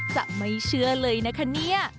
จะไม่เชื่อเลยนะคะเนี่ย